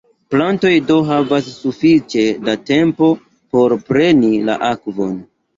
Plantoj do havas sufiĉe da tempo por preni la akvon.